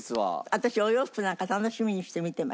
私お洋服なんか楽しみにして見てました。